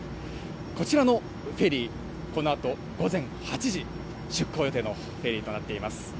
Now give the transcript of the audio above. こちらのフェリー、このあと午前８時出港予定のフェリーとなっています。